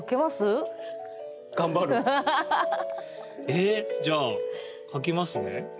はい。えじゃあ書きますね。